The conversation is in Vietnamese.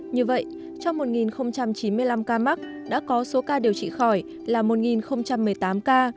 như vậy trong một chín mươi năm ca mắc đã có số ca điều trị khỏi là một một mươi tám ca